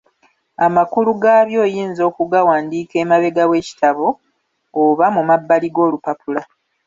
Amakulu gaabyo oyinza okugawandiika emabega w'ekitabo oba mumabbali g'olupapula.